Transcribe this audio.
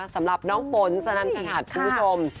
สำหรับน้องฝนสนับสถานกฐานคุณผู้ชม